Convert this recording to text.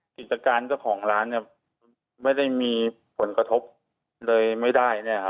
กิจการเจ้าของร้านไม่ได้มีผลกระทบเลยไม่ได้